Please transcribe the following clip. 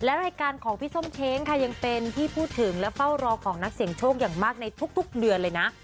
และรายการของพี่ส้มเช้งค่ะยังเป็นที่พูดถึงและเฝ้ารอของนักเสียงโชคอย่างมากในทุกเดือนเลยนะ